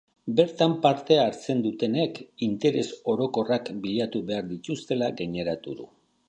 Bertan parte hartzen dutenek interes orokorrak bilatu behar dituztela gaineratu du.